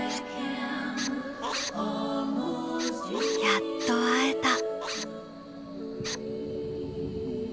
「やっと会えた」。